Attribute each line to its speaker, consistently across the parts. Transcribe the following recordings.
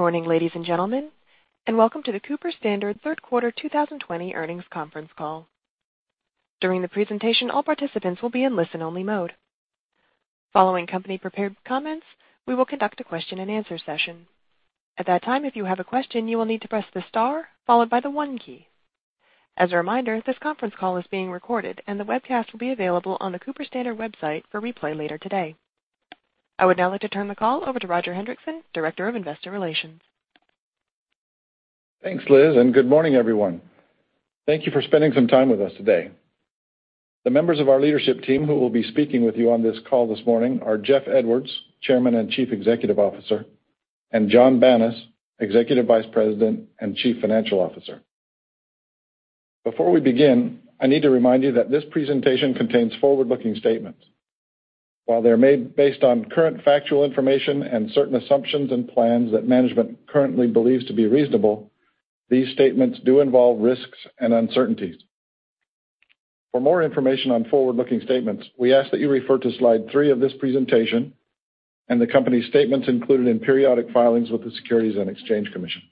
Speaker 1: Good morning, ladies and gentlemen, and welcome to the Cooper-Standard Third Quarter 2020 earnings conference call. During the presentation, all participants will be in listen-only mode. Following company-prepared comments, we will conduct a question-and-answer session. At that time, if you have a question, you will need to press the star followed by the one key. As a reminder, this conference call is being recorded, and the webcast will be available on the Cooper-Standard website for replay later today. I would now like to turn the call over to Roger Hendriksen, Director of Investor Relations.
Speaker 2: Thanks, Liz. Good morning, everyone. Thank you for spending some time with us today. The members of our leadership team who will be speaking with you on this call this morning are Jeff Edwards, Chairman and Chief Executive Officer, and Jon Banas, Executive Vice President and Chief Financial Officer. Before we begin, I need to remind you that this presentation contains forward-looking statements. While they are made based on current factual information and certain assumptions and plans that management currently believes to be reasonable, these statements do involve risks and uncertainties. For more information on forward-looking statements, we ask that you refer to slide three of this presentation and the company's statements included in periodic filings with the Securities and Exchange Commission.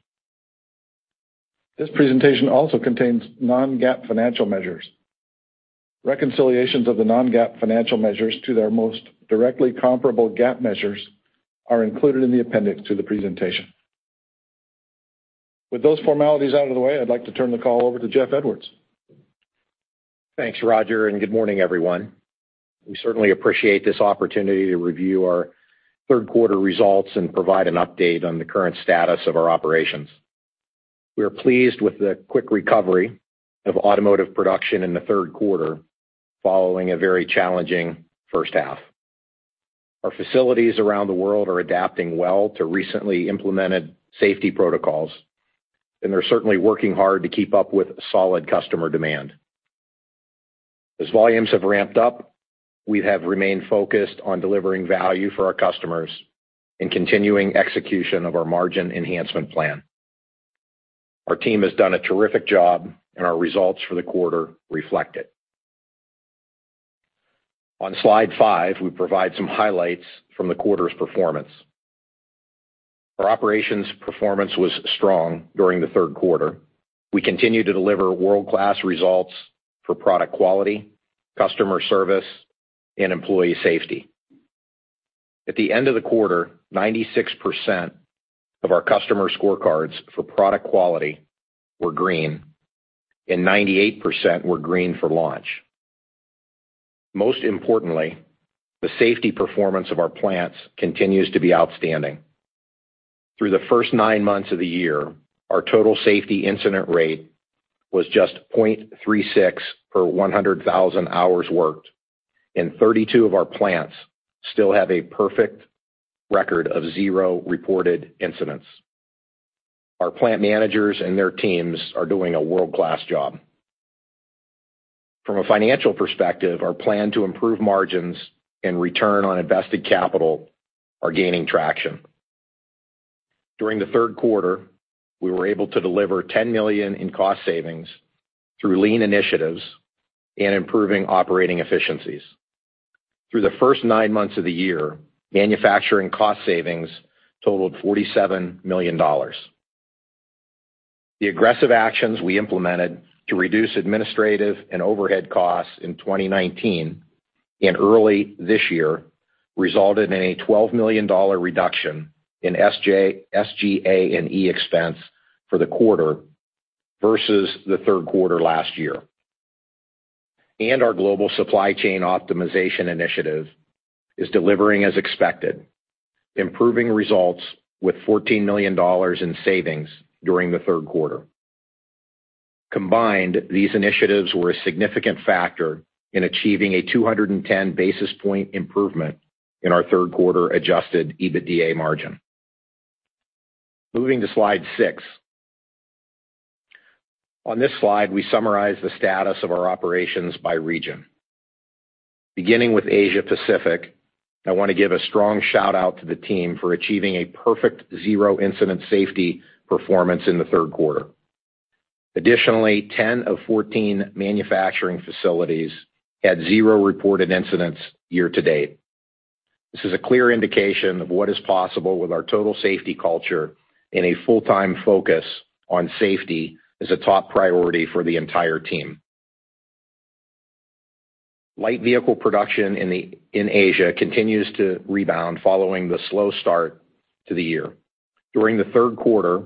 Speaker 2: This presentation also contains non-GAAP financial measures. Reconciliations of the non-GAAP financial measures to their most directly comparable GAAP measures are included in the appendix to the presentation. With those formalities out of the way, I'd like to turn the call over to Jeff Edwards.
Speaker 3: Thanks, Roger. Good morning, everyone. We certainly appreciate this opportunity to review our third quarter results and provide an update on the current status of our operations. We are pleased with the quick recovery of automotive production in the third quarter following a very challenging first half. Our facilities around the world are adapting well to recently implemented safety protocols, and they're certainly working hard to keep up with solid customer demand. As volumes have ramped up, we have remained focused on delivering value for our customers and continuing execution of our margin enhancement plan. Our team has done a terrific job, and our results for the quarter reflect it. On slide five, we provide some highlights from the quarter's performance. Our operations performance was strong during the third quarter. We continue to deliver world-class results for product quality, customer service, and employee safety. At the end of the quarter, 96% of our customer scorecards for product quality were green and 98% were green for launch. Most importantly, the safety performance of our plants continues to be outstanding. Through the first nine months of the year, our total safety incident rate was just 0.36 per 100,000 hours worked, and 32 of our plants still have a perfect record of zero reported incidents. Our plant managers and their teams are doing a world-class job. From a financial perspective, our plan to improve margins and return on invested capital are gaining traction. During the third quarter, we were able to deliver $10 million in cost savings through lean initiatives and improving operating efficiencies. Through the first nine months of the year, manufacturing cost savings totaled $47 million. The aggressive actions we implemented to reduce administrative and overhead costs in 2019 and early this year resulted in a $12 million reduction in SGA&E expense for the quarter versus the third quarter last year. Our global supply chain optimization initiative is delivering as expected, improving results with $14 million in savings during the third quarter. Combined, these initiatives were a significant factor in achieving a 210 basis point improvement in our third quarter adjusted EBITDA margin. Moving to slide six. On this slide, we summarize the status of our operations by region. Beginning with Asia-Pacific, I want to give a strong shout-out to the team for achieving a perfect zero-incident safety performance in the third quarter. Additionally, 10 of 14 manufacturing facilities had zero reported incidents year to date. This is a clear indication of what is possible with our total safety culture and a full-time focus on safety as a top priority for the entire team. Light vehicle production in Asia continues to rebound following the slow start to the year. During the third quarter,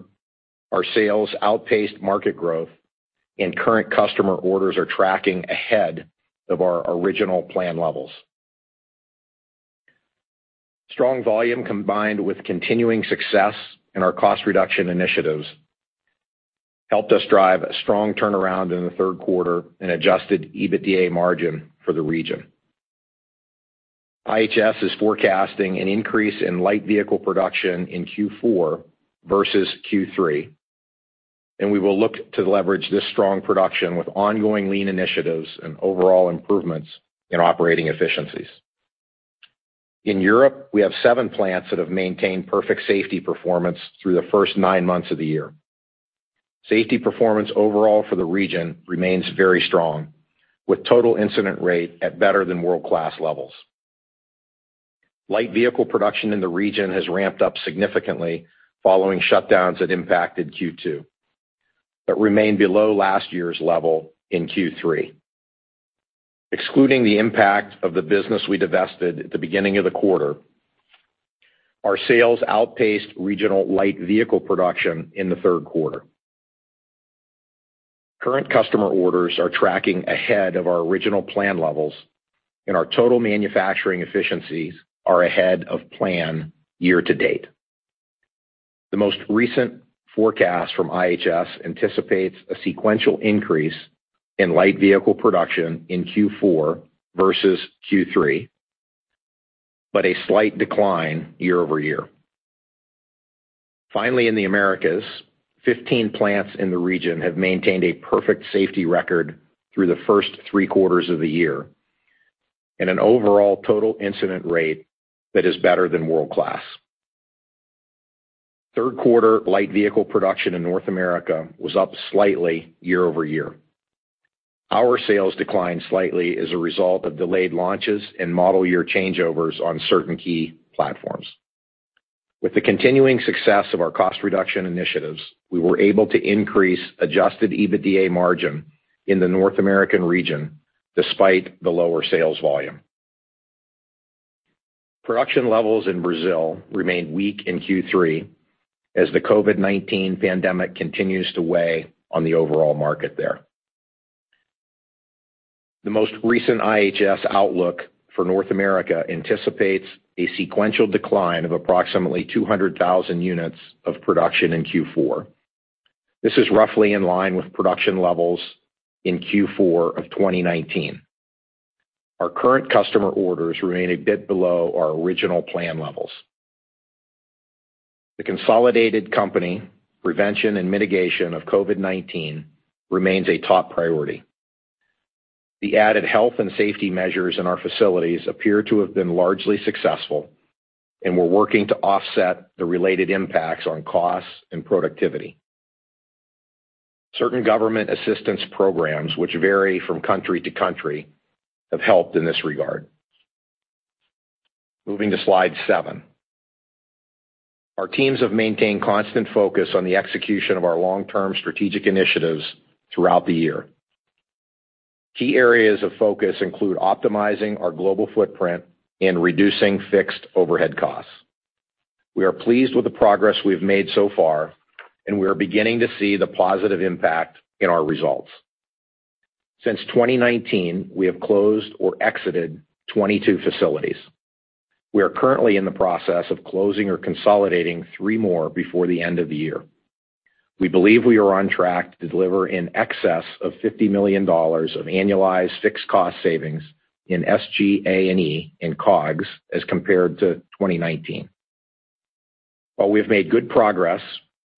Speaker 3: our sales outpaced market growth and current customer orders are tracking ahead of our original plan levels. Strong volume combined with continuing success in our cost reduction initiatives helped us drive a strong turnaround in the third quarter and adjusted EBITDA margin for the region. IHS is forecasting an increase in light vehicle production in Q4 versus Q3, and we will look to leverage this strong production with ongoing lean initiatives and overall improvements in operating efficiencies. In Europe, we have seven plants that have maintained perfect safety performance through the first nine months of the year. Safety performance overall for the region remains very strong, with total incident rate at better than world-class levels. Light vehicle production in the region has ramped up significantly following shutdowns that impacted Q2 but remained below last year's level in Q3. Excluding the impact of the business we divested at the beginning of the quarter, our sales outpaced regional light vehicle production in the third quarter. Current customer orders are tracking ahead of our original plan levels, and our total manufacturing efficiencies are ahead of plan year to date. The most recent forecast from IHS anticipates a sequential increase in light vehicle production in Q4 versus Q3, but a slight decline year-over-year. Finally, in the Americas, 15 plants in the region have maintained a perfect safety record through the first three quarters of the year and an overall total incident rate that is better than world-class. Third quarter light vehicle production in North America was up slightly year-over-year. Our sales declined slightly as a result of delayed launches and model year changeovers on certain key platforms. With the continuing success of our cost reduction initiatives, we were able to increase adjusted EBITDA margin in the North American region despite the lower sales volume. Production levels in Brazil remained weak in Q3 as the COVID-19 pandemic continues to weigh on the overall market there. The most recent IHS outlook for North America anticipates a sequential decline of approximately 200,000 units of production in Q4. This is roughly in line with production levels in Q4 of 2019. Our current customer orders remain a bit below our original plan levels. The consolidated company prevention and mitigation of COVID-19 remains a top priority. The added health and safety measures in our facilities appear to have been largely successful, and we're working to offset the related impacts on costs and productivity. Certain government assistance programs, which vary from country to country, have helped in this regard. Moving to slide seven. Our teams have maintained constant focus on the execution of our long-term strategic initiatives throughout the year. Key areas of focus include optimizing our global footprint and reducing fixed overhead costs. We are pleased with the progress we've made so far, and we are beginning to see the positive impact in our results. Since 2019, we have closed or exited 22 facilities. We are currently in the process of closing or consolidating three more before the end of the year. We believe we are on track to deliver in excess of $50 million of annualized fixed cost savings in SG&A and COGS as compared to 2019. While we have made good progress,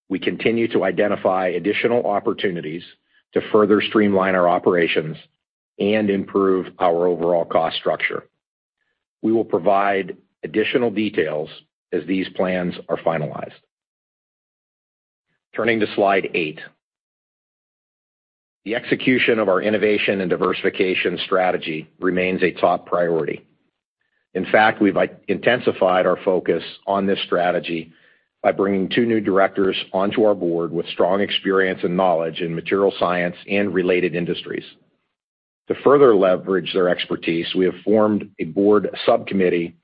Speaker 3: we continue to identify additional opportunities to further streamline our operations and improve our overall cost structure. We will provide additional details as these plans are finalized. Turning to slide eight. The execution of our innovation and diversification strategy remains a top priority. In fact, we've intensified our focus on this strategy by bringing two new directors onto our board with strong experience and knowledge in material science and related industries. To further leverage their expertise, we have formed a board subcommittee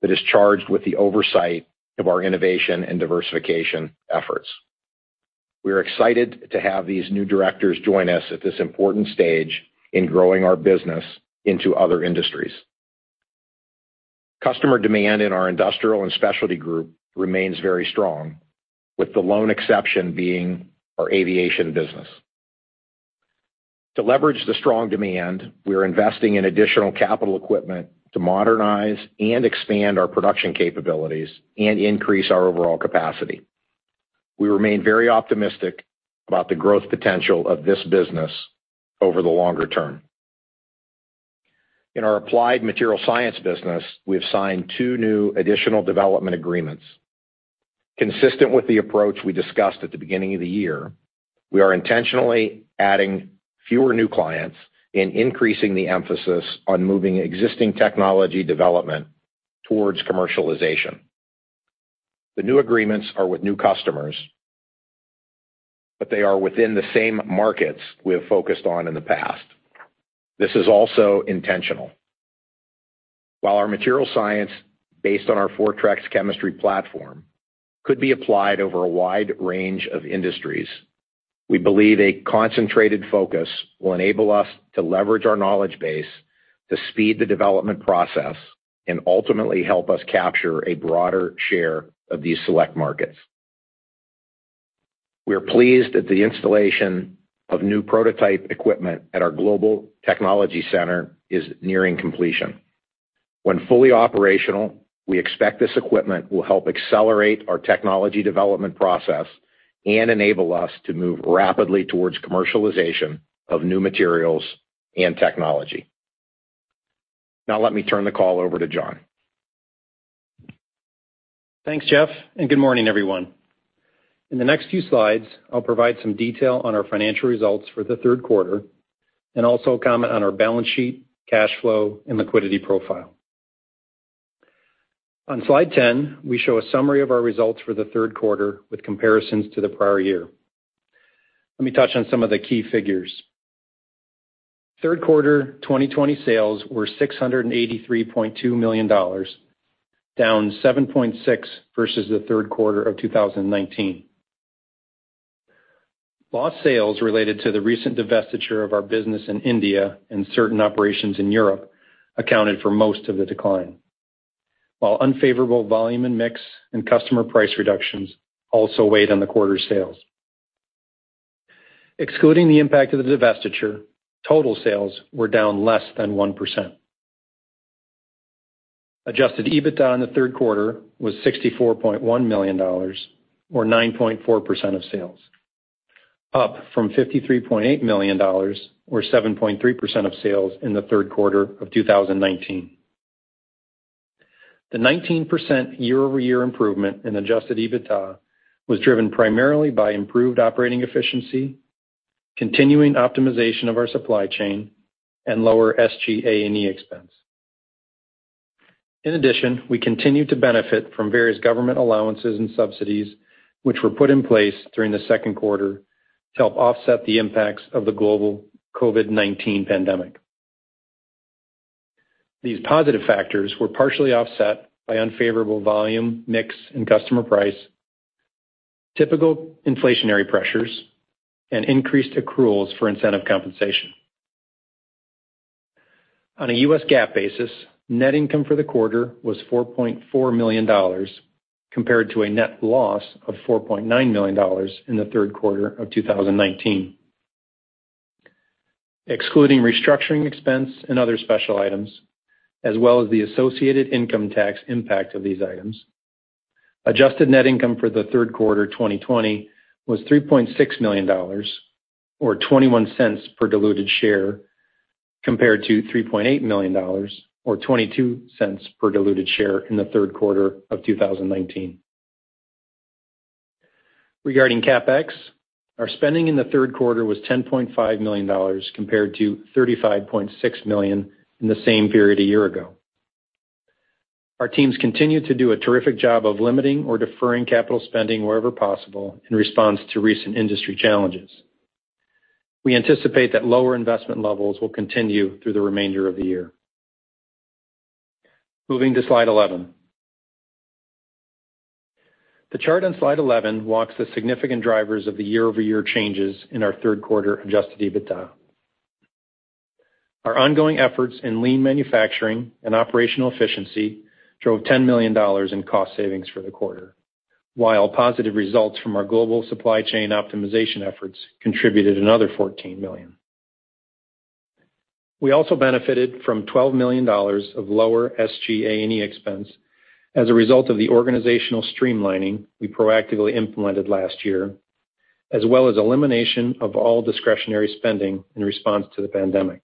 Speaker 3: that is charged with the oversight of our innovation and diversification efforts. We are excited to have these new directors join us at this important stage in growing our business into other industries. Customer demand in our industrial and specialty group remains very strong, with the lone exception being our aviation business. To leverage the strong demand, we are investing in additional capital equipment to modernize and expand our production capabilities and increase our overall capacity. We remain very optimistic about the growth potential of this business over the longer term. In our applied material science business, we have signed two new additional development agreements. Consistent with the approach we discussed at the beginning of the year, we are intentionally adding fewer new clients and increasing the emphasis on moving existing technology development towards commercialization. The new agreements are with new customers, but they are within the same markets we have focused on in the past. This is also intentional. While our material science, based on our Fortrex chemistry platform, could be applied over a wide range of industries, we believe a concentrated focus will enable us to leverage our knowledge base to speed the development process and ultimately help us capture a broader share of these select markets. We are pleased that the installation of new prototype equipment at our global technology center is nearing completion. When fully operational, we expect this equipment will help accelerate our technology development process and enable us to move rapidly towards commercialization of new materials and technology. Let me turn the call over to Jon.
Speaker 4: Thanks, Jeff, and good morning, everyone. In the next few slides, I'll provide some detail on our financial results for the third quarter, and also comment on our balance sheet, cash flow, and liquidity profile. On slide 10, we show a summary of our results for the third quarter with comparisons to the prior year. Let me touch on some of the key figures. Third quarter 2020 sales were $683.2 million, down 7.6% versus the third quarter of 2019. Lost sales related to the recent divestiture of our business in India and certain operations in Europe accounted for most of the decline. While unfavorable volume and mix and customer price reductions also weighed on the quarter's sales. Excluding the impact of the divestiture, total sales were down less than 1%. adjusted EBITDA in the third quarter was $64.1 million, or 9.4% of sales, up from $53.8 million, or 7.3% of sales in the third quarter of 2019. The 19% year-over-year improvement in adjusted EBITDA was driven primarily by improved operating efficiency, continuing optimization of our supply chain, and lower SG&A expense. We continue to benefit from various government allowances and subsidies, which were put in place during the second quarter to help offset the impacts of the global COVID-19 pandemic. These positive factors were partially offset by unfavorable volume, mix, and customer price, typical inflationary pressures, and increased accruals for incentive compensation. On a US GAAP basis, net income for the quarter was $4.4 million, compared to a net loss of $4.9 million in the third quarter of 2019. Excluding restructuring expense and other special items, as well as the associated income tax impact of these items, adjusted net income for the third quarter 2020 was $3.6 million, or $0.21 per diluted share, compared to $3.8 million, or $0.22 per diluted share in the third quarter of 2019. Regarding CapEx, our spending in the third quarter was $10.5 million compared to $35.6 million in the same period a year ago. Our teams continued to do a terrific job of limiting or deferring capital spending wherever possible in response to recent industry challenges. We anticipate that lower investment levels will continue through the remainder of the year. Moving to slide 11. The chart on slide 11 walks the significant drivers of the year-over-year changes in our third quarter adjusted EBITDA. Our ongoing efforts in lean manufacturing and operational efficiency drove $10 million in cost savings for the quarter. Positive results from our global supply chain optimization efforts contributed another $14 million. We also benefited from $12 million of lower SG&A expense as a result of the organizational streamlining we proactively implemented last year, as well as elimination of all discretionary spending in response to the pandemic.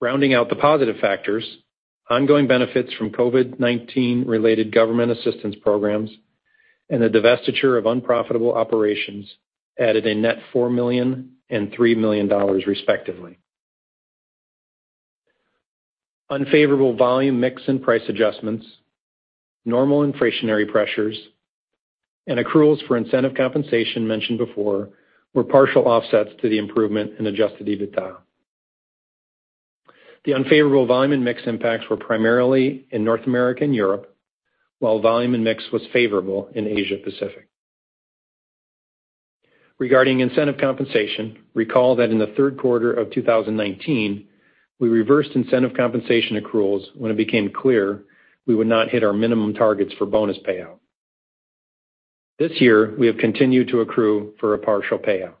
Speaker 4: Rounding out the positive factors, ongoing benefits from COVID-19-related government assistance programs, and the divestiture of unprofitable operations added a net $4 million and $3 million, respectively. Unfavorable volume mix and price adjustments, normal inflationary pressures, and accruals for incentive compensation mentioned before were partial offsets to the improvement in adjusted EBITDA. The unfavorable volume and mix impacts were primarily in North America and Europe, while volume and mix was favorable in Asia Pacific. Regarding incentive compensation, recall that in the third quarter of 2019, we reversed incentive compensation accruals when it became clear we would not hit our minimum targets for bonus payout. This year, we have continued to accrue for a partial payout.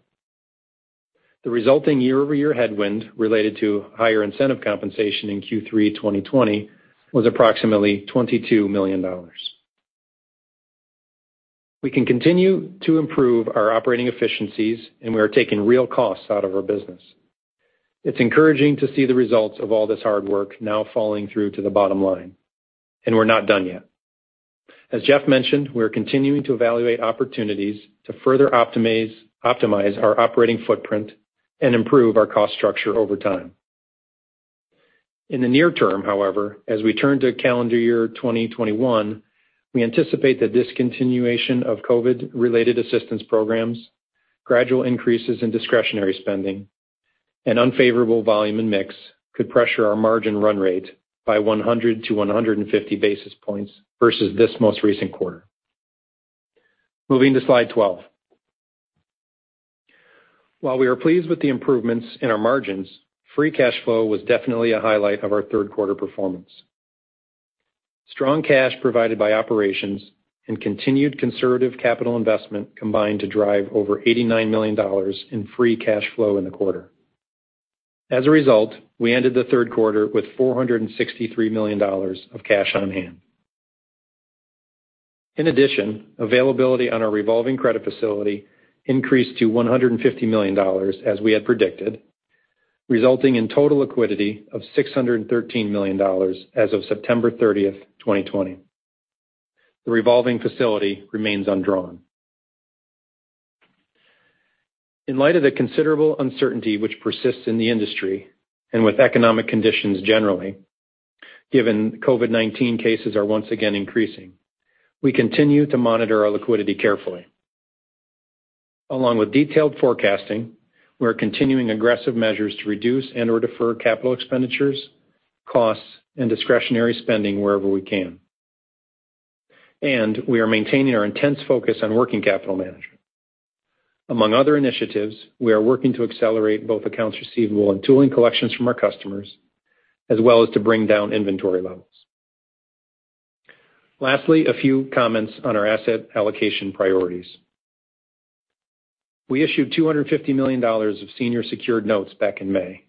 Speaker 4: The resulting year-over-year headwind related to higher incentive compensation in Q3 2020 was approximately $22 million. We can continue to improve our operating efficiencies, and we are taking real costs out of our business. It's encouraging to see the results of all this hard work now falling through to the bottom line, and we're not done yet. As Jeff mentioned, we're continuing to evaluate opportunities to further optimize our operating footprint and improve our cost structure over time. In the near term, however, as we turn to calendar year 2021, we anticipate the discontinuation of COVID-19-related assistance programs, gradual increases in discretionary spending, and unfavorable volume and mix could pressure our margin run rate by 100-150 basis points versus this most recent quarter. Moving to slide 12. While we are pleased with the improvements in our margins, free cash flow was definitely a highlight of our third quarter performance. Strong cash provided by operations and continued conservative capital investment combined to drive over $89 million in free cash flow in the quarter. As a result, we ended the third quarter with $463 million of cash on hand. In addition, availability on our revolving credit facility increased to $150 million, as we had predicted, resulting in total liquidity of $613 million as of September 30th, 2020. The revolving facility remains undrawn. In light of the considerable uncertainty which persists in the industry, and with economic conditions generally, given COVID-19 cases are once again increasing, we continue to monitor our liquidity carefully. Along with detailed forecasting, we're continuing aggressive measures to reduce and/or defer capital expenditures, costs, and discretionary spending wherever we can. We are maintaining our intense focus on working capital management. Among other initiatives, we are working to accelerate both accounts receivable and tooling collections from our customers, as well as to bring down inventory levels. Lastly, a few comments on our asset allocation priorities. We issued $250 million of senior secured notes back in May.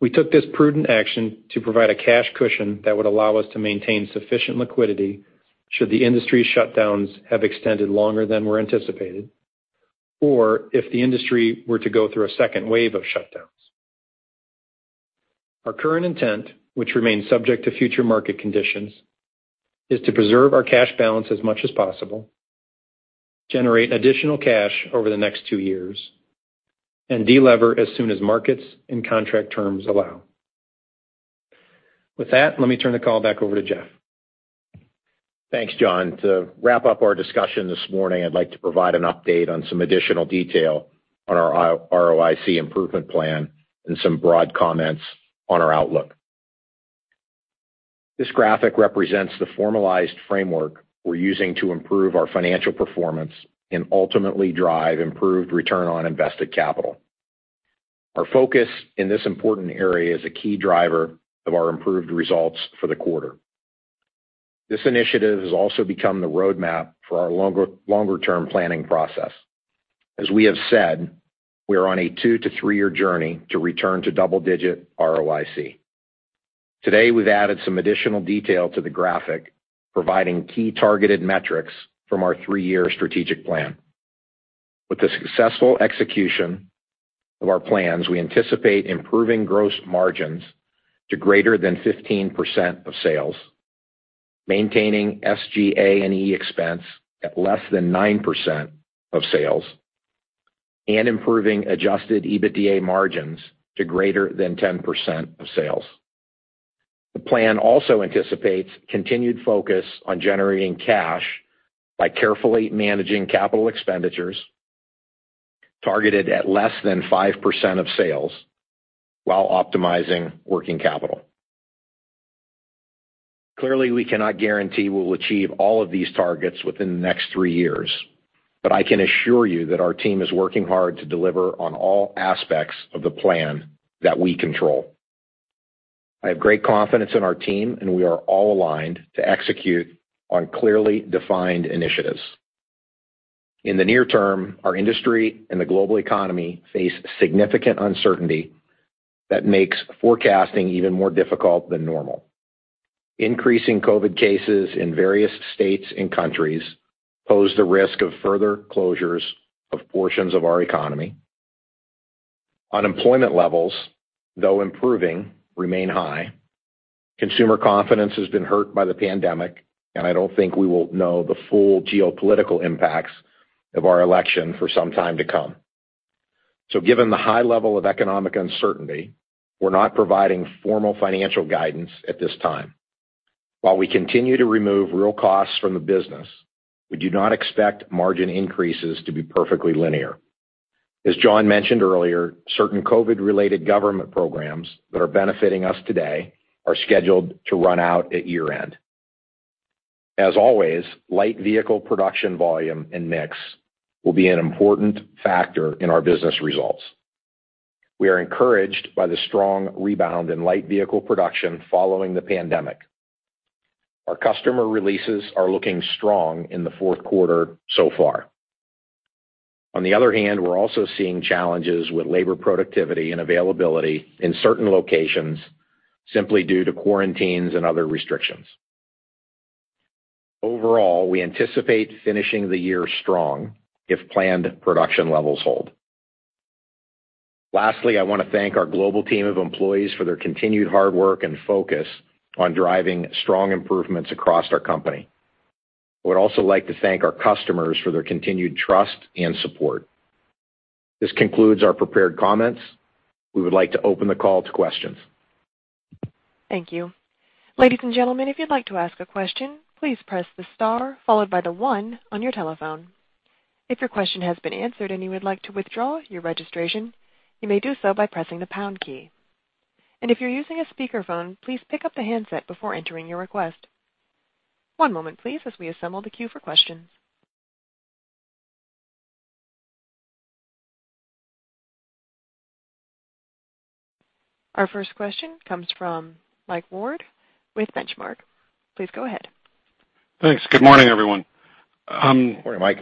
Speaker 4: We took this prudent action to provide a cash cushion that would allow us to maintain sufficient liquidity should the industry shutdowns have extended longer than were anticipated, or if the industry were to go through a second wave of shutdowns. Our current intent, which remains subject to future market conditions, is to preserve our cash balance as much as possible, generate additional cash over the next two years, and delever as soon as markets and contract terms allow. With that, let me turn the call back over to Jeff.
Speaker 3: Thanks, Jon. To wrap up our discussion this morning, I'd like to provide an update on some additional detail on our ROIC improvement plan and some broad comments on our outlook. This graphic represents the formalized framework we're using to improve our financial performance and ultimately drive improved return on invested capital. Our focus in this important area is a key driver of our improved results for the quarter. This initiative has also become the roadmap for our longer-term planning process. As we have said, we are on a two to three-year journey to return to double-digit ROIC. Today, we've added some additional detail to the graphic, providing key targeted metrics from our three-year strategic plan. With the successful execution of our plans, we anticipate improving gross margins to greater than 15% of sales, maintaining SGA&E expense at less than 9% of sales, and improving adjusted EBITDA margins to greater than 10% of sales. The plan also anticipates continued focus on generating cash by carefully managing capital expenditures targeted at less than 5% of sales while optimizing working capital. Clearly, we cannot guarantee we'll achieve all of these targets within the next three years, but I can assure you that our team is working hard to deliver on all aspects of the plan that we control. I have great confidence in our team, and we are all aligned to execute on clearly defined initiatives. In the near term, our industry and the global economy face significant uncertainty that makes forecasting even more difficult than normal. Increasing COVID cases in various states and countries pose the risk of further closures of portions of our economy. Unemployment levels, though improving, remain high. Consumer confidence has been hurt by the pandemic, and I don't think we will know the full geopolitical impacts of our election for some time to come. Given the high level of economic uncertainty, we're not providing formal financial guidance at this time. While we continue to remove real costs from the business, we do not expect margin increases to be perfectly linear. As Jon mentioned earlier, certain COVID-related government programs that are benefiting us today are scheduled to run out at year-end. As always, light vehicle production volume and mix will be an important factor in our business results. We are encouraged by the strong rebound in light vehicle production following the pandemic. Our customer releases are looking strong in the fourth quarter so far. On the other hand, we're also seeing challenges with labor productivity and availability in certain locations, simply due to quarantines and other restrictions. Overall, we anticipate finishing the year strong if planned production levels hold. Lastly, I want to thank our global team of employees for their continued hard work and focus on driving strong improvements across our company. I would also like to thank our customers for their continued trust and support. This concludes our prepared comments. We would like to open the call to questions.
Speaker 1: Thank you. Ladies and gentlemen, if you would like to ask a question, please press the star followed by the one on your telephone. If your question has been answered and you would like to withdraw your registration, you may do so by pressing the pound key. If you are using a speakerphone, please pick up the handset before entering your request. One moment, please, as we assemble the queue for questions. Our first question comes from Mike Ward with Benchmark. Please go ahead.
Speaker 5: Thanks. Good morning, everyone.
Speaker 3: Go ahead, Mike.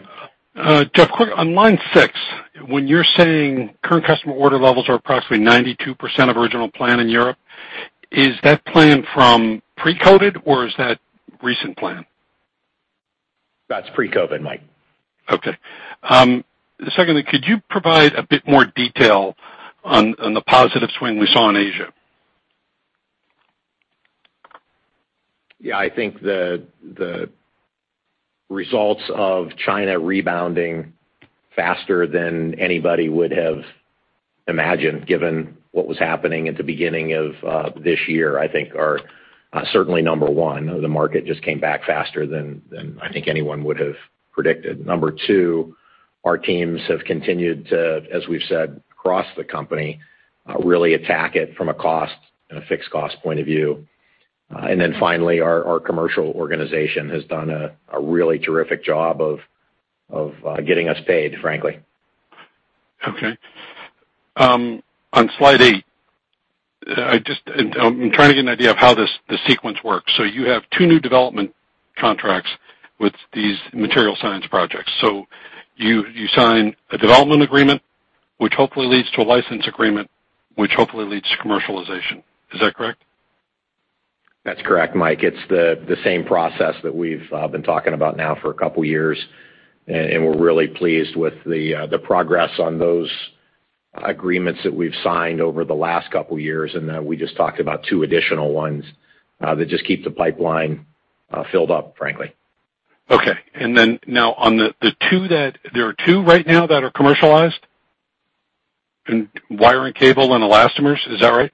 Speaker 5: Jeff, quick, on line six, when you're saying current customer order levels are approximately 92% of original plan in Europe, is that plan from pre-COVID, or is that recent plan?
Speaker 3: That's pre-COVID, Mike.
Speaker 5: Okay. Secondly, could you provide a bit more detail on the positive swing we saw in Asia?
Speaker 3: Yeah, I think the results of China rebounding faster than anybody would have imagined, given what was happening at the beginning of this year, I think are certainly number one. The market just came back faster than I think anyone would have predicted. Number two, our teams have continued to, as we've said, across the company, really attack it from a cost and a fixed cost point of view. Then finally, our commercial organization has done a really terrific job of getting us paid, frankly.
Speaker 5: Okay. On slide eight, I'm trying to get an idea of how the sequence works. You have two new development contracts with these material science projects. You sign a development agreement, which hopefully leads to a license agreement, which hopefully leads to commercialization. Is that correct?
Speaker 3: That's correct, Mike. It's the same process that we've been talking about now for a couple of years, and we're really pleased with the progress on those agreements that we've signed over the last couple of years, and that we just talked about two additional ones that just keep the pipeline filled up, frankly.
Speaker 5: Now on the two there are two right now that are commercialized? In wire and cable and elastomers, is that right?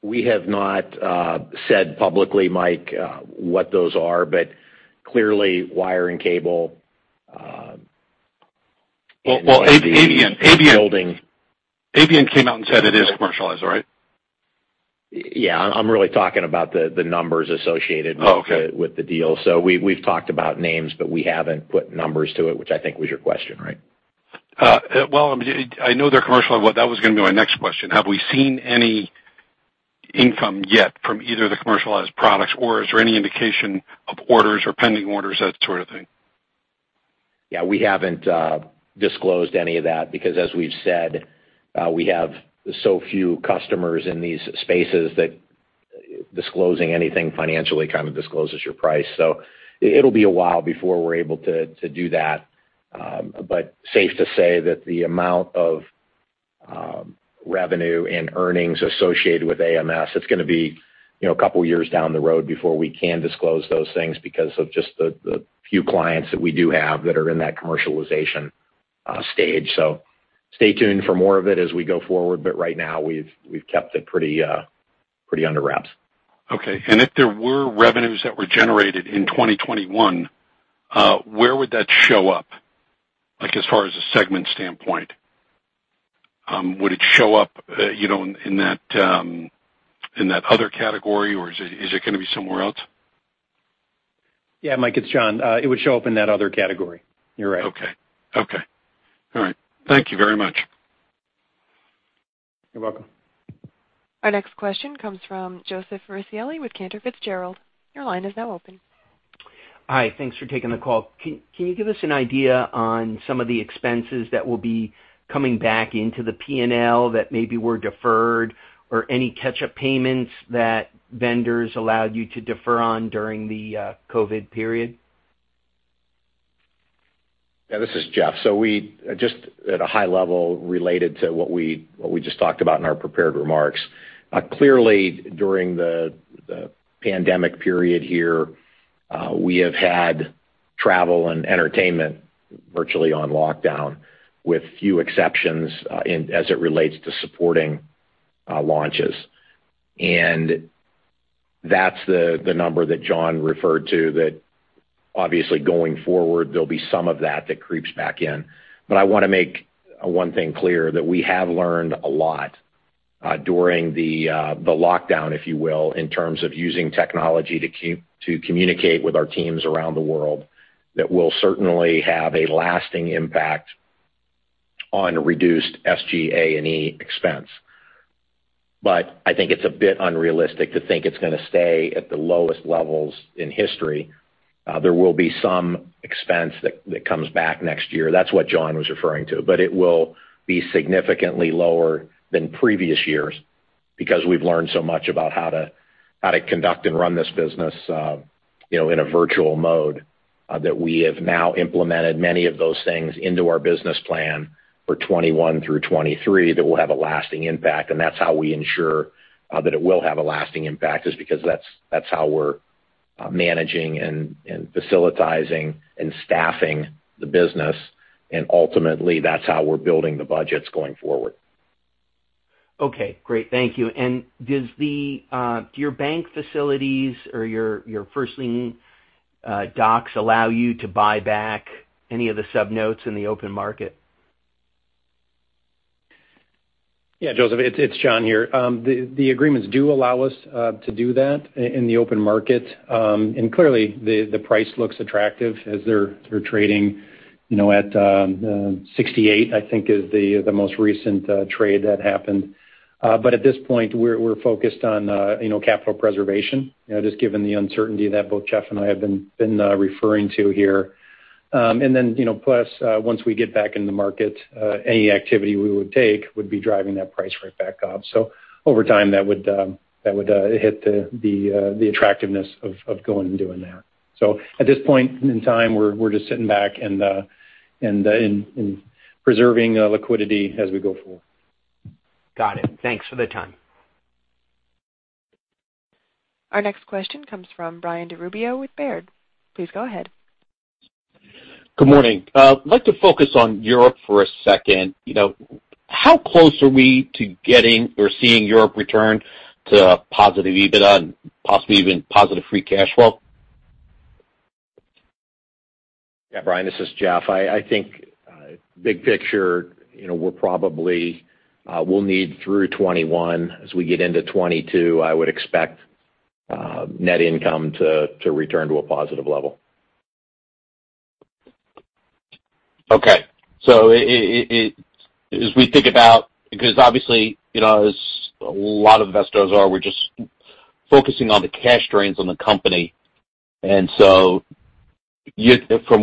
Speaker 3: We have not said publicly, Mike, what those are, but clearly wire and cable and building-
Speaker 5: Avient came out and said it is commercialized, right?
Speaker 3: Yeah, I'm really talking about the numbers associated with the deal. We've talked about names, but we haven't put numbers to it, which I think was your question, right?
Speaker 5: I know they're commercial. That was going to be my next question. Have we seen any income yet from either the commercialized products, or is there any indication of orders or pending orders, that sort of thing?
Speaker 3: We haven't disclosed any of that because as we've said, we have so few customers in these spaces that disclosing anything financially kind of discloses your price. It'll be a while before we're able to do that. Safe to say that the amount of revenue and earnings associated with AMS, it's going to be a couple of years down the road before we can disclose those things because of just the few clients that we do have that are in that commercialization stage. Stay tuned for more of it as we go forward, but right now we've kept it pretty under wraps.
Speaker 5: Okay. If there were revenues that were generated in 2021, where would that show up? Like as far as a segment standpoint. Would it show up in that other category or is it going to be somewhere else?
Speaker 4: Yeah, Mike, it's Jon. It would show up in that other category. You're right.
Speaker 5: Okay. All right. Thank you very much.
Speaker 4: You're welcome.
Speaker 1: Our next question comes from Joseph Farricielli with Cantor Fitzgerald. Your line is now open.
Speaker 6: Hi, thanks for taking the call. Can you give us an idea on some of the expenses that will be coming back into the P&L that maybe were deferred or any catch-up payments that vendors allowed you to defer on during the COVID period?
Speaker 3: Yeah, this is Jeff. We just at a high level related to what we just talked about in our prepared remarks. Clearly, during the pandemic period here, we have had travel and entertainment virtually on lockdown with few exceptions as it relates to supporting launches. That's the number that Jon referred to that obviously going forward, there'll be some of that that creeps back in. I want to make one thing clear that we have learned a lot during the lockdown, if you will, in terms of using technology to communicate with our teams around the world that will certainly have a lasting impact on reduced SGA&E expense. I think it's a bit unrealistic to think it's going to stay at the lowest levels in history. There will be some expense that comes back next year. That's what Jon was referring to. It will be significantly lower than previous years because we've learned so much about how to conduct and run this business in a virtual mode, that we have now implemented many of those things into our business plan for 2021 through 2023 that will have a lasting impact. That's how we ensure that it will have a lasting impact is because that's how we're managing and facilitating and staffing the business. Ultimately, that's how we're building the budgets going forward.
Speaker 6: Okay, great. Thank you. Do your bank facilities or your first lien docs allow you to buy back any of the sub-notes in the open market?
Speaker 4: Yeah, Joseph\, it's Jon here. The agreements do allow us to do that in the open market. Clearly the price looks attractive as they're trading at $68, I think is the most recent trade that happened. At this point, we're focused on capital preservation, just given the uncertainty that both Jeff and I have been referring to here. Plus, once we get back in the market, any activity we would take would be driving that price right back up. Over time, that would hit the attractiveness of going and doing that. At this point in time, we're just sitting back and preserving liquidity as we go forward.
Speaker 6: Got it. Thanks for the time.
Speaker 1: Our next question comes from Brian DiRubbio with Baird. Please go ahead.
Speaker 7: Good morning. I'd like to focus on Europe for a second. How close are we to getting or seeing Europe return to positive EBITDA and possibly even positive free cash flow?
Speaker 3: Yeah, Brian, this is Jeff. I think, big picture, we'll need through 2021. As we get into 2022, I would expect net income to return to a positive level.
Speaker 7: Okay. Obviously, as a lot of investors are, we're just focusing on the cash drains on the company. From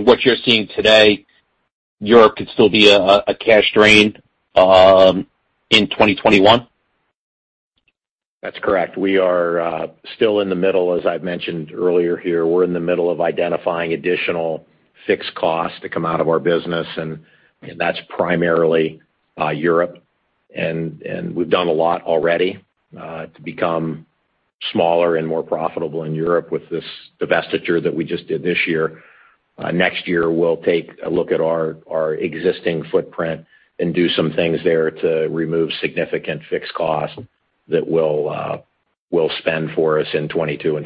Speaker 7: what you're seeing today, Europe could still be a cash drain in 2021?
Speaker 3: That's correct. We are still in the middle, as I've mentioned earlier here, we're in the middle of identifying additional fixed costs to come out of our business, and that's primarily Europe. We've done a lot already to become smaller and more profitable in Europe with this divestiture that we just did this year. Next year, we'll take a look at our existing footprint and do some things there to remove significant fixed costs that will spend for us in 2022 and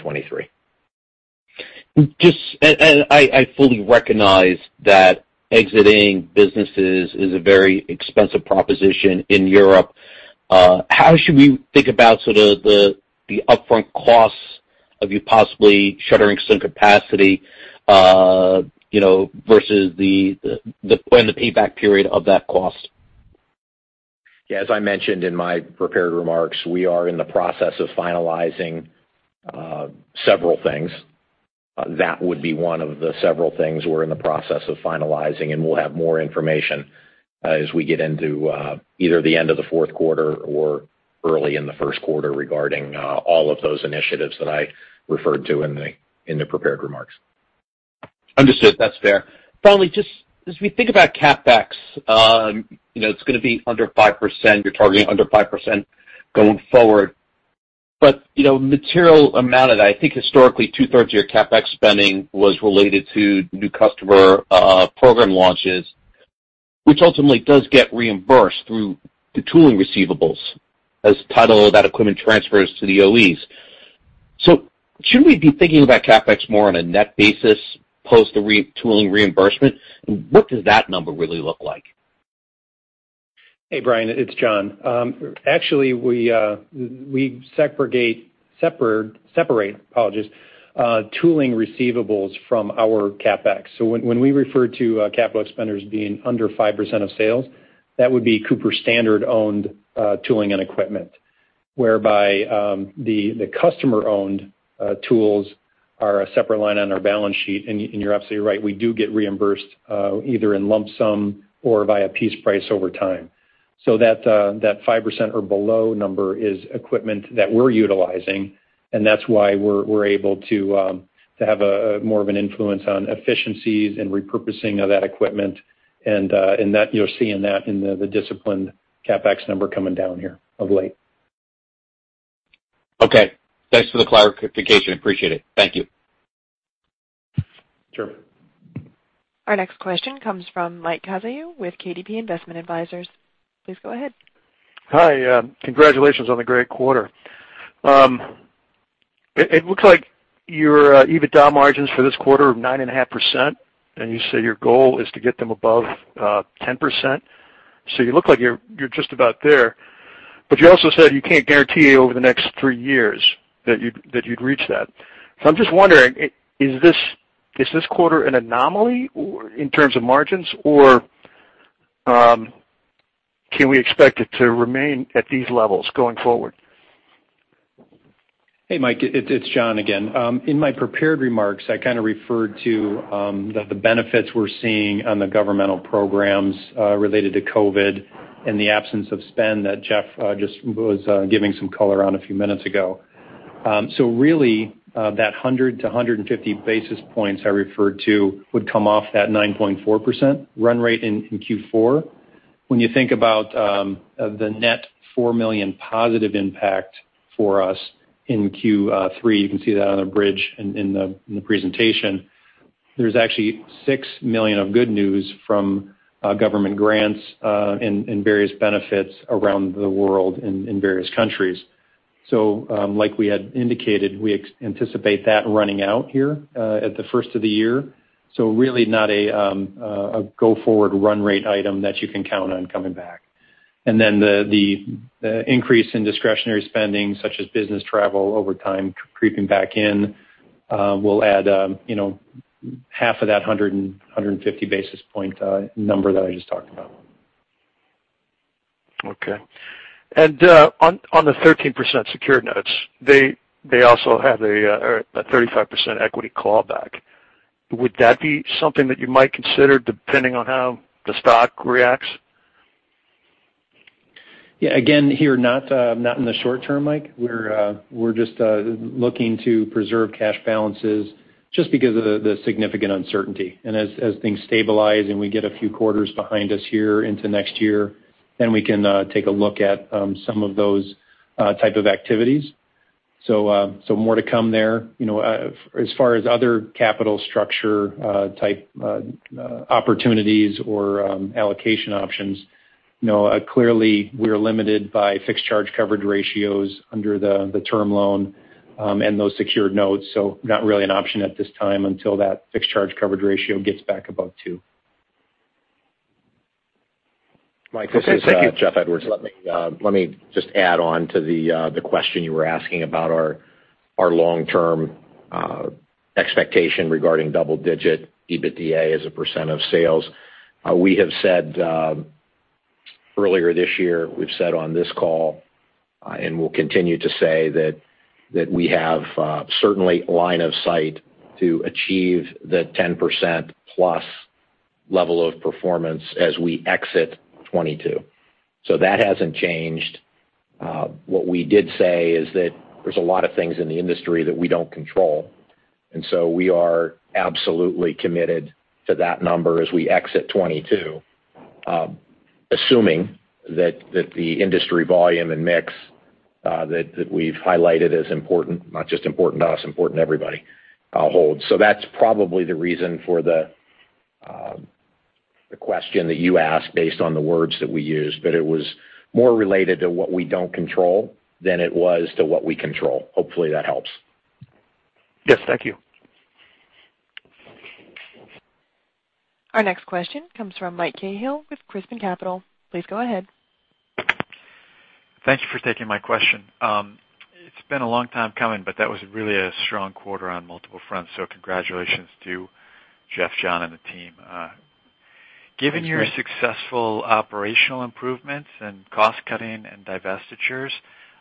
Speaker 3: 2023.
Speaker 7: I fully recognize that exiting businesses is a very expensive proposition in Europe. How should we think about the upfront costs of you possibly shuttering some capacity versus when the payback period of that cost?
Speaker 3: Yeah, as I mentioned in my prepared remarks, we are in the process of finalizing several things. That would be one of the several things we're in the process of finalizing, and we'll have more information as we get into either the end of the fourth quarter or early in the first quarter regarding all of those initiatives that I referred to in the prepared remarks.
Speaker 7: Understood. That's fair. Finally, just as we think about CapEx, it's going to be under 5%, you're targeting under 5% going forward. Material amount, and I think historically 1/3 of your CapEx spending was related to new customer program launches, which ultimately does get reimbursed through the tooling receivables as title of that equipment transfers to the OEMs. Should we be thinking about CapEx more on a net basis post the retooling reimbursement? What does that number really look like?
Speaker 4: Hey, Brian, it's Jon. Actually, we separate, apologies, tooling receivables from our CapEx. When we refer to capital expenditures being under 5% of sales, that would be Cooper-Standard-owned tooling and equipment, whereby the customer-owned tools are a separate line on our balance sheet. You're absolutely right, we do get reimbursed either in lump sum or via piece price over time. That 5% or below number is equipment that we're utilizing, and that's why we're able to have more of an influence on efficiencies and repurposing of that equipment. You're seeing that in the disciplined CapEx number coming down here of late.
Speaker 7: Okay. Thanks for the clarification. Appreciate it. Thank you.
Speaker 3: Sure.
Speaker 1: Our next question comes from Mike Cazayoux with KDP Investment Advisors. Please go ahead.
Speaker 8: Hi. Congratulations on the great quarter. It looks like your EBITDA margins for this quarter are 9.5%, and you say your goal is to get them above 10%. You look like you're just about there. You also said you can't guarantee over the next three years that you'd reach that. I'm just wondering, is this quarter an anomaly in terms of margins, or can we expect it to remain at these levels going forward?
Speaker 4: Hey, Mike, it's Jon again. In my prepared remarks, I kind of referred to the benefits we're seeing on the governmental programs related to COVID and the absence of spend that Jeff just was giving some color on a few minutes ago. Really, that 100-150 basis points I referred to would come off that 9.4% run rate in Q4. When you think about the net $4 million positive impact for us in Q3, you can see that on the bridge in the presentation. There's actually $6 million of good news from government grants and various benefits around the world in various countries. Like we had indicated, we anticipate that running out here at the first of the year. Really not a go-forward run rate item that you can count on coming back. The increase in discretionary spending, such as business travel over time creeping back in, will add half of that 100 and 150 basis point number that I just talked about.
Speaker 8: Okay. On the 13% secured notes, they also have a 35% equity clawback. Would that be something that you might consider depending on how the stock reacts?
Speaker 4: Again, here, not in the short term, Mike. We're just looking to preserve cash balances just because of the significant uncertainty. As things stabilize and we get a few quarters behind us here into next year, then we can take a look at some of those type of activities. More to come there. As far as other capital structure type opportunities or allocation options, clearly we're limited by fixed charge coverage ratios under the term loan, and those secured notes, so not really an option at this time until that fixed charge coverage ratio gets back above 2.
Speaker 8: Okay, thank you.
Speaker 3: Mike, this is Jeff Edwards. Let me just add on to the question you were asking about our long-term expectation regarding double-digit EBITDA as a % of sales. We have said earlier this year, we've said on this call, and we'll continue to say that we have certainly line of sight to achieve the 10% plus level of performance as we exit 2022. That hasn't changed. What we did say is that there's a lot of things in the industry that we don't control, we are absolutely committed to that number as we exit 2022, assuming that the industry volume and mix that we've highlighted as important, not just important to us, important to everybody, holds. That's probably the reason for the question that you asked based on the words that we used. It was more related to what we don't control than it was to what we control. Hopefully, that helps.
Speaker 8: Yes. Thank you.
Speaker 1: Our next question comes from Mike Cahill with Crispin Capital. Please go ahead.
Speaker 9: Thank you for taking my question. It's been a long time coming. That was really a strong quarter on multiple fronts. Congratulations to Jeff, Jon, and the team.
Speaker 3: Thanks, Mike.
Speaker 9: Given your successful operational improvements in cost-cutting and divestitures,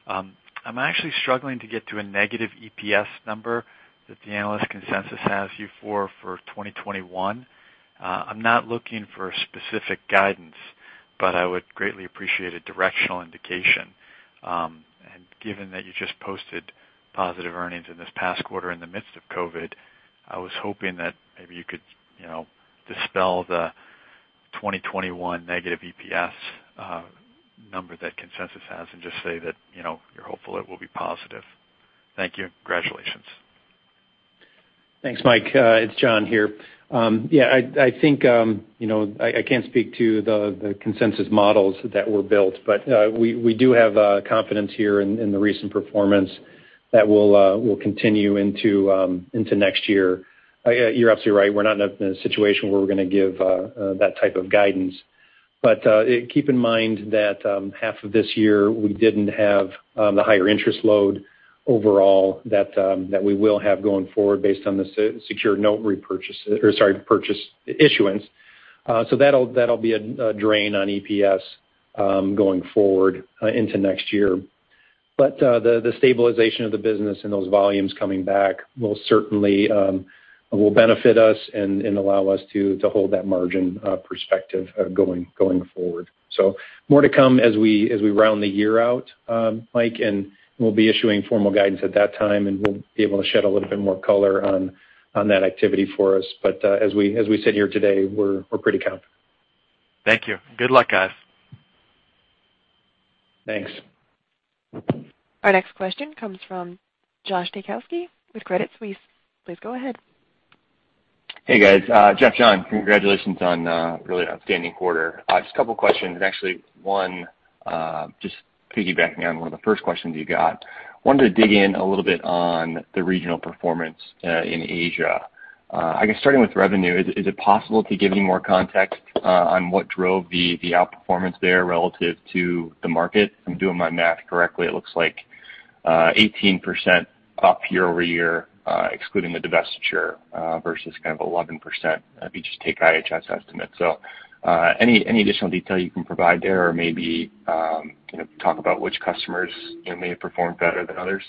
Speaker 9: I'm actually struggling to get to a negative EPS number that the analyst consensus has you for 2021. I'm not looking for specific guidance, but I would greatly appreciate a directional indication. Given that you just posted positive earnings in this past quarter in the midst of COVID, I was hoping that maybe you could dispel the 2021 negative EPS number that consensus has and just say that you're hopeful it will be positive. Thank you, and congratulations.
Speaker 4: Thanks, Mike. It's Jon here. I think I can't speak to the consensus models that were built, but we do have confidence here in the recent performance that will continue into next year. You're absolutely right. We're not in a situation where we're gonna give that type of guidance. Keep in mind that half of this year, we didn't have the higher interest load overall that we will have going forward based on the secured note purchase issuance. That'll be a drain on EPS going forward into next year. The stabilization of the business and those volumes coming back will certainly benefit us and allow us to hold that margin perspective going forward. More to come as we round the year out, Mike, we'll be issuing formal guidance at that time, we'll be able to shed a little bit more color on that activity for us. As we said here today, we're pretty confident.
Speaker 9: Thank you. Good luck, guys.
Speaker 4: Thanks.
Speaker 1: Our next question comes from Josh Taykowski with Credit Suisse. Please go ahead.
Speaker 10: Hey, guys. Jeff, Jon, congratulations on a really outstanding quarter. Just a couple of questions. Actually, one, just piggybacking on one of the first questions you got. Wanted to dig in a little bit on the regional performance in Asia. I guess starting with revenue, is it possible to give any more context on what drove the outperformance there relative to the market? If I'm doing my math correctly, it looks like 18% up year-over-year, excluding the divestiture, versus 11% if you just take IHS estimates. Any additional detail you can provide there or maybe talk about which customers may have performed better than others?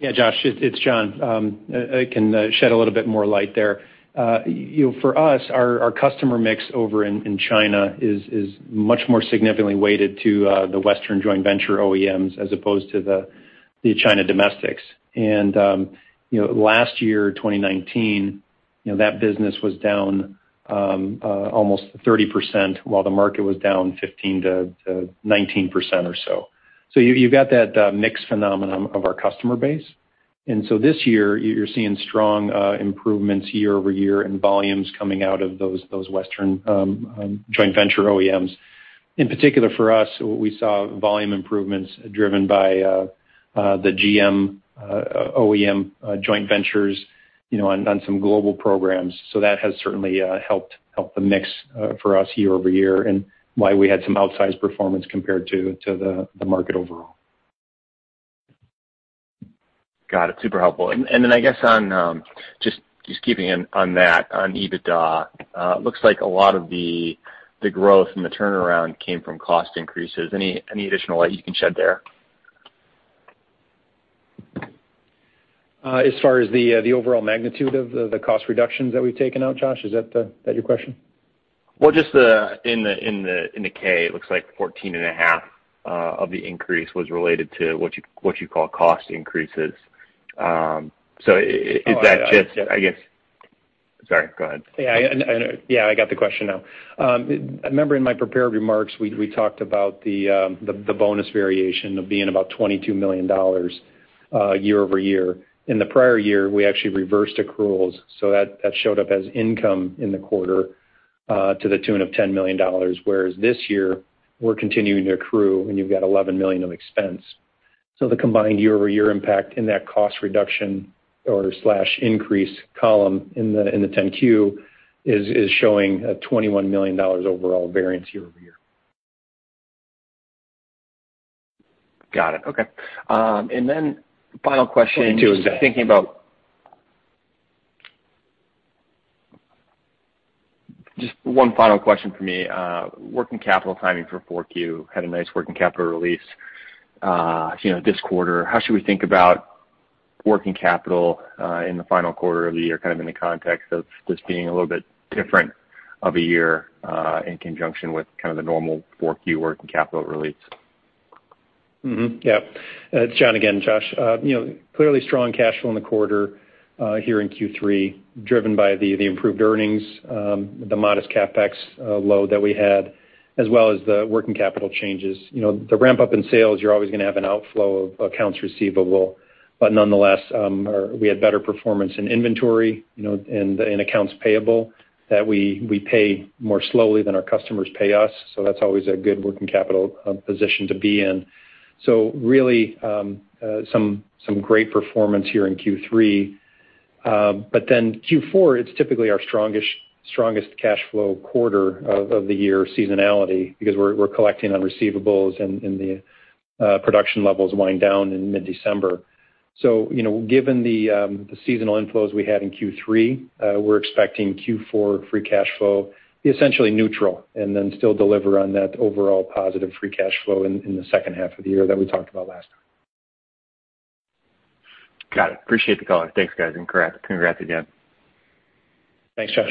Speaker 4: Yeah, Josh. It's Jon. I can shed a little bit more light there. For us, our customer mix over in China is much more significantly weighted to the Western joint venture OEMs as opposed to the China domestics. Last year, 2019, that business was down almost 30% while the market was down 15%-19% or so. You've got that mix phenomenon of our customer base. This year, you're seeing strong improvements year-over-year in volumes coming out of those Western joint venture OEMs. In particular, for us, we saw volume improvements driven by the GM OEM joint ventures on some global programs. That has certainly helped the mix for us year-over-year and why we had some outsized performance compared to the market overall.
Speaker 10: Got it. Super helpful. I guess just keeping on that, on EBITDA, it looks like a lot of the growth and the turnaround came from cost increases. Any additional light you can shed there?
Speaker 4: As far as the overall magnitude of the cost reductions that we've taken out, Josh? Is that your question?
Speaker 10: Well, just in the K, it looks like 14 and a half of the increase was related to what you call cost increases.
Speaker 4: Oh, I-
Speaker 10: I guess Sorry, go ahead.
Speaker 4: I got the question now. Remember in my prepared remarks, we talked about the bonus variation of being about $22 million year-over-year. In the prior year, we actually reversed accruals, so that showed up as income in the quarter to the tune of $10 million, whereas this year, we're continuing to accrue, and you've got $11 million of expense. The combined year-over-year impact in that cost reduction/increase column in the 10-Q is showing a $21 million overall variance year-over-year.
Speaker 10: Got it. Okay. final question.
Speaker 4: Two instead
Speaker 10: One final question from me. Working capital timing for 4Q. Had a nice working capital release this quarter. How should we think about working capital in the final quarter of the year, kind of in the context of this being a little bit different of a year in conjunction with kind of the normal 4Q working capital release?
Speaker 4: It's Jon again, Josh. Clearly strong cash flow in the quarter here in Q3, driven by the improved earnings, the modest CapEx load that we had, as well as the working capital changes. The ramp-up in sales, you're always going to have an outflow of accounts receivable. Nonetheless, we had better performance in inventory and in accounts payable that we pay more slowly than our customers pay us. That's always a good working capital position to be in. Really, some great performance here in Q3. Q4, it's typically our strongest cash flow quarter of the year seasonality because we're collecting on receivables and the production levels wind down in mid-December. Given the seasonal inflows we had in Q3, we're expecting Q4 free cash flow be essentially neutral and then still deliver on that overall positive free cash flow in the second half of the year that we talked about last time.
Speaker 10: Got it. Appreciate the color. Thanks, guys, and congrats again.
Speaker 4: Thanks, Josh.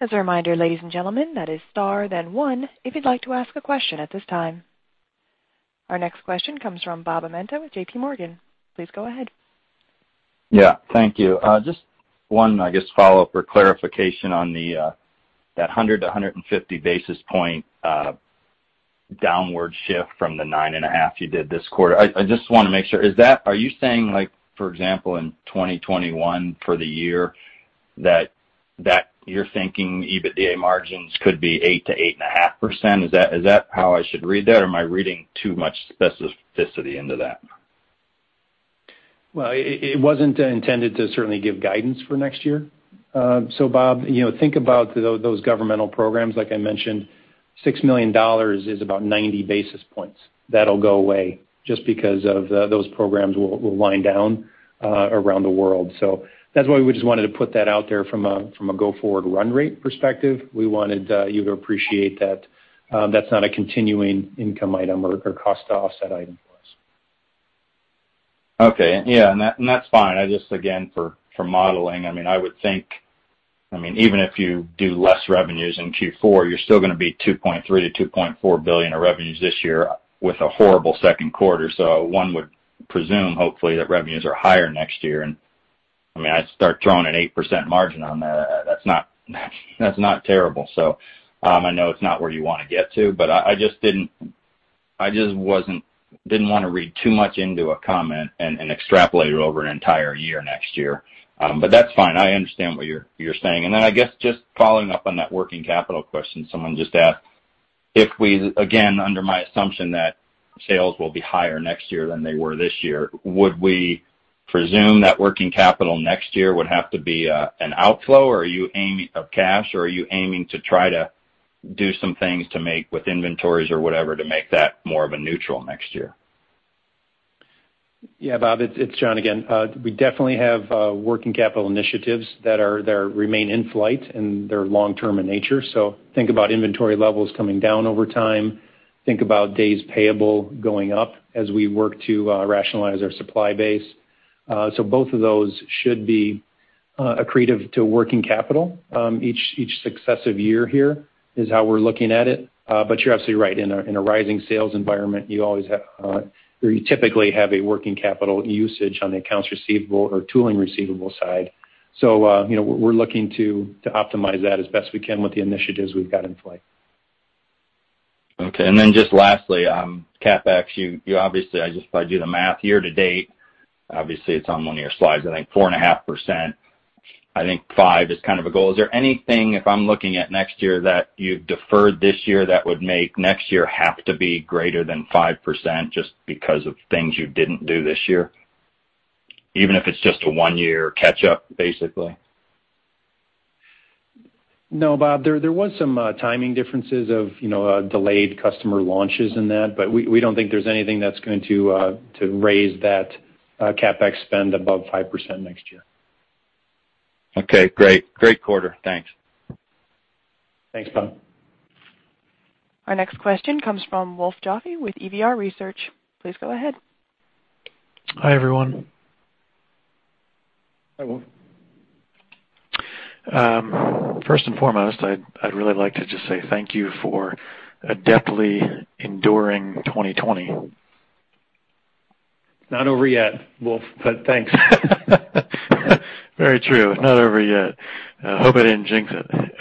Speaker 1: As a reminder, ladies and gentlemen, that is star then one if you'd like to ask a question at this time. Our next question comes from Bob Amenta with JPMorgan. Please go ahead.
Speaker 11: Yeah. Thank you. Just one, I guess, follow-up or clarification on that 100-150 basis point downward shift from the 9.5 you did this quarter. I just want to make sure, are you saying like, for example, in 2021 for the year that you're thinking EBITDA margins could be 8%-8.5%? Is that how I should read that, or am I reading too much specificity into that?
Speaker 4: Well, it wasn't intended to certainly give guidance for next year. Bob, think about those governmental programs. Like I mentioned, $6 million is about 90 basis points. That'll go away just because of those programs will wind down around the world. That's why we just wanted to put that out there from a go-forward run rate perspective. We wanted you to appreciate that that's not a continuing income item or cost offset item for us.
Speaker 11: Okay. Yeah, that's fine. I just, again, for modeling, I would think even if you do less revenues in Q4, you're still going to be $2.3 billion-$2.4 billion of revenues this year with a horrible second quarter. One would presume, hopefully, that revenues are higher next year. I'd start throwing an 8% margin on that. That's not terrible. I know it's not where you want to get to, but I just didn't want to read too much into a comment and extrapolate it over an entire year next year. That's fine. I understand what you're saying. Just following up on that working capital question someone just asked, if we, again, under my assumption that sales will be higher next year than they were this year, would we presume that working capital next year would have to be an outflow of cash, or are you aiming to try to do some things to make with inventories or whatever to make that more of a neutral next year?
Speaker 4: Bob. It's Jon again. We definitely have working capital initiatives that remain in flight, and they're long-term in nature. Think about inventory levels coming down over time. Think about days payable going up as we work to rationalize our supply base. Both of those should be accretive to working capital each successive year here is how we're looking at it. You're absolutely right. In a rising sales environment, you typically have a working capital usage on the accounts receivable or tooling receivable side. We're looking to optimize that as best we can with the initiatives we've got in play.
Speaker 11: Okay. Just lastly, CapEx, I just do the math year to date. Obviously, it's on one of your slides, I think 4.5%. I think 5% is kind of a goal. Is there anything, if I'm looking at next year, that you've deferred this year that would make next year have to be greater than 5% just because of things you didn't do this year? Even if it's just a one-year catch-up, basically?
Speaker 3: No, Bob, there was some timing differences of delayed customer launches in that, but we don't think there's anything that's going to raise that CapEx spend above 5% next year.
Speaker 11: Okay, great. Great quarter. Thanks.
Speaker 3: Thanks, Bob.
Speaker 1: Our next question comes from Wolf Joffe with EVR Research. Please go ahead.
Speaker 12: Hi, everyone.
Speaker 3: Hi, Wolf.
Speaker 12: First and foremost, I'd really like to just say thank you for adeptly enduring 2020.
Speaker 3: Not over yet, Wolf, but thanks.
Speaker 12: Very true. Not over yet. Hope I didn't jinx it.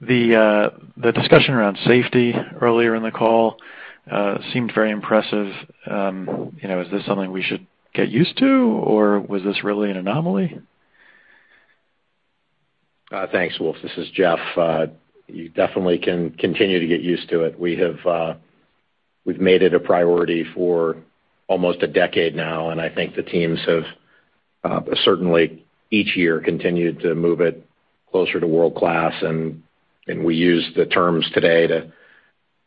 Speaker 12: The discussion around safety earlier in the call seemed very impressive. Is this something we should get used to, or was this really an anomaly?
Speaker 3: Thanks, Wolf. This is Jeff. You definitely can continue to get used to it. We've made it a priority for almost a decade now, and I think the teams have certainly each year continued to move it closer to world-class, and we use the terms today to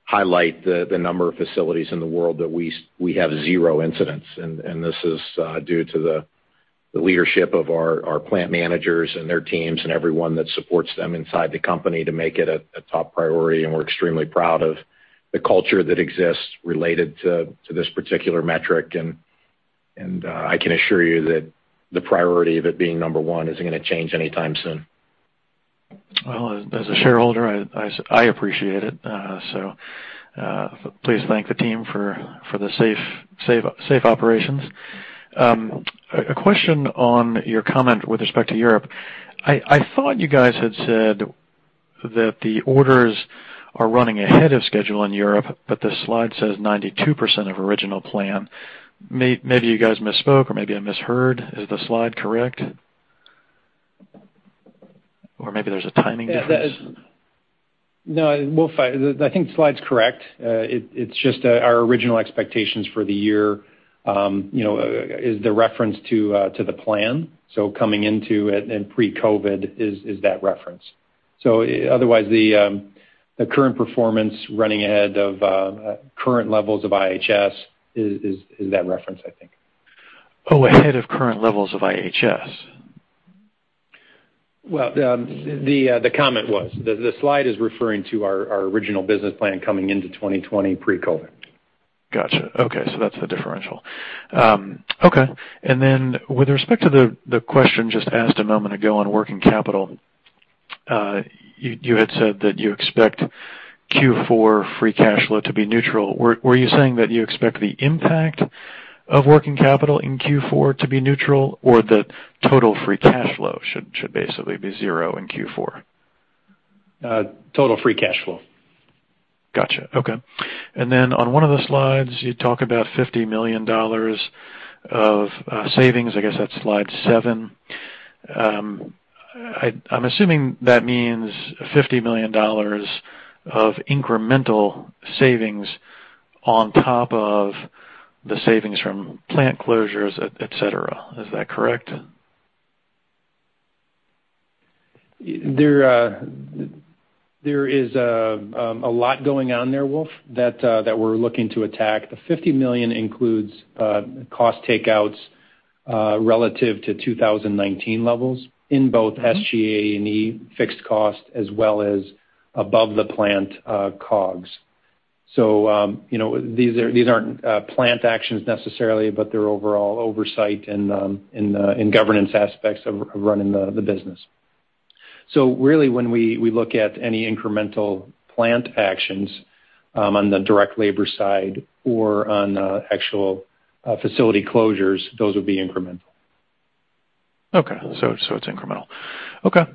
Speaker 3: highlight the number of facilities in the world that we have zero incidents. This is due to the leadership of our plant managers and their teams and everyone that supports them inside the Company to make it a top priority, and we're extremely proud of the culture that exists related to this particular metric. I can assure you that the priority of it being number one isn't going to change anytime soon.
Speaker 12: As a shareholder, I appreciate it. Please thank the team for the safe operations. A question on your comment with respect to Europe. I thought you guys had said that the orders are running ahead of schedule in Europe, but the slide says 92% of original plan. Maybe you guys misspoke, or maybe I misheard. Is the slide correct? Maybe there's a timing difference.
Speaker 4: No, Wolf, I think the slide's correct. It's just our original expectations for the year is the reference to the plan. Coming into it and pre-COVID is that reference. Otherwise, the current performance running ahead of current levels of IHS is that reference, I think.
Speaker 12: Oh, ahead of current levels of IHS.
Speaker 4: Well, the comment was. The slide is referring to our original business plan coming into 2020 pre-COVID.
Speaker 12: Got you. Okay, that's the differential. Okay. With respect to the question just asked a moment ago on working capital, you had said that you expect Q4 free cash flow to be neutral. Were you saying that you expect the impact of working capital in Q4 to be neutral, or that total free cash flow should basically be zero in Q4?
Speaker 4: Total free cash flow.
Speaker 12: Got you. Okay. On one of the slides, you talk about $50 million of savings. I guess that's slide seven. I'm assuming that means $50 million of incremental savings on top of the savings from plant closures, et cetera. Is that correct?
Speaker 4: There is a lot going on there, Wolf, that we're looking to attack. The $50 million includes cost takeouts relative to 2019 levels in both SGA&E fixed cost, as well as above-the-plant COGS. These aren't plant actions necessarily, but they're overall oversight and governance aspects of running the business. Really when we look at any incremental plant actions on the direct labor side or on actual facility closures, those would be incremental.
Speaker 12: Okay. It's incremental. Okay.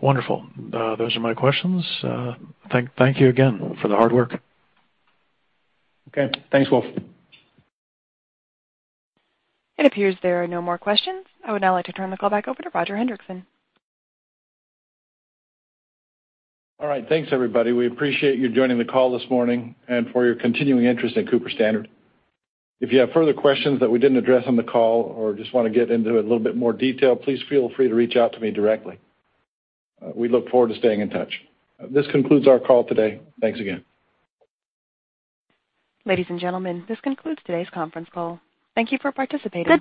Speaker 12: Wonderful. Those are my questions. Thank you again for the hard work.
Speaker 3: Okay. Thanks, Wolf.
Speaker 1: It appears there are no more questions. I would now like to turn the call back over to Roger Hendriksen.
Speaker 2: All right. Thanks, everybody. We appreciate you joining the call this morning and for your continuing interest in Cooper-Standard. If you have further questions that we didn't address on the call or just want to get into a little bit more detail, please feel free to reach out to me directly. We look forward to staying in touch. This concludes our call today. Thanks again.
Speaker 1: Ladies and gentlemen, this concludes today's conference call. Thank you for participating.